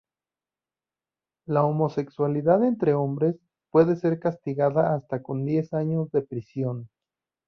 La homosexualidad entre hombres puede ser castigada con hasta diez años de prisión.